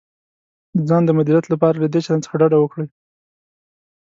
د ځان د مدیریت لپاره له دې چلند څخه ډډه وکړئ: